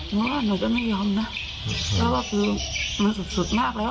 เหมาะแหมต้องไม่ยอมนะถ้าว่าคือด้วยสุดสุดมากแล้ว